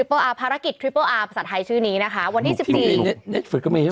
เป็นการกระตุ้นการไหลเวียนของเลือด